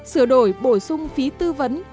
sửa đổi bổ sung phí tư vấn